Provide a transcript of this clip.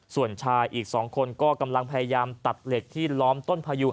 ส่วนชายอีก๒คนก็กำลังพยายามตัดเหล็กที่ล้อมต้นพายุ